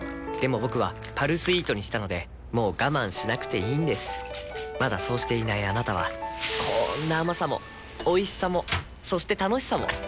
僕は「パルスイート」にしたのでもう我慢しなくていいんですまだそうしていないあなたはこんな甘さもおいしさもそして楽しさもあちっ。